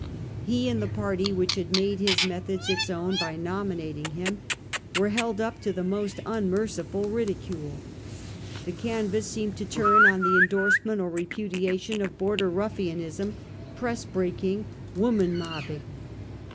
He and the party which had made his methods its own by nominating him, were held up to the most unmerciful ridicule. The can vass seemed to turn on the indorsement or repudiation of border ruffianism, press breaking, woman mobbing.